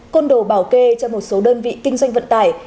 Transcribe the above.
côn đồ bảo kê cho một số đơn vị kinh doanh vận tải